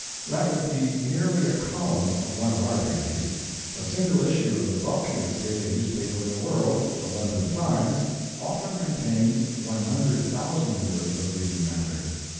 That would be nearly a column of one of our dailies. A single issue of the bulkiest daily newspaper in the world the London TIMES often contains 100,000 words of reading matter.